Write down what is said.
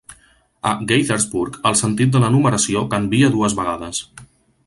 A Gaithersburg, el sentit de la numeració canvia dues vegades.